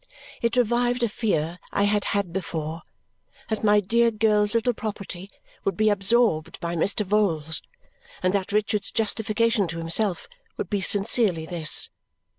It revived a fear I had had before that my dear girl's little property would be absorbed by Mr. Vholes and that Richard's justification to himself would be sincerely this.